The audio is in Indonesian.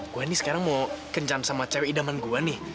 gue ini sekarang mau kencan sama cewek idaman gue nih